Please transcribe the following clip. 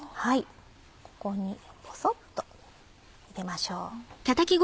ここにぽそっと入れましょう。